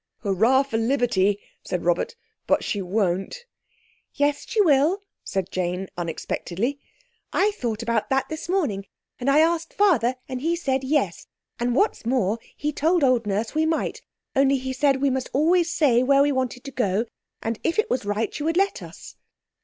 "Hurrah for liberty!" said Robert, "but she won't." "Yes she will," said Jane unexpectedly. "I thought about that this morning, and I asked Father, and he said yes; and what's more he told old Nurse we might, only he said we must always say where we wanted to go, and if it was right she would let us."